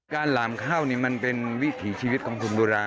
การหลามข้าวมันเป็นวิถีชีวิตของคนอินโตราญ